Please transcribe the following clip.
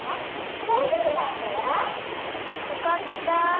だいじょうぶだったよ。よかった！